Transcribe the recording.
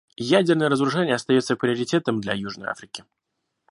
Ядерное разоружение остается приоритетом для Южной Африки.